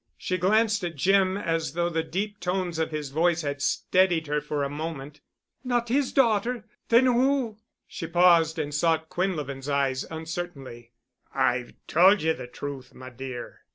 She glanced at Jim as though the deep tones of his voice had steadied her for a moment. "Not his daughter—then who——?" She paused and sought Quinlevin's eyes uncertainly. "I've told ye the truth, my dear.